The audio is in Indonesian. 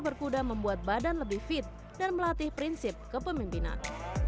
berkuda membuat badan lebih fit dan melatih prinsip kepemimpinan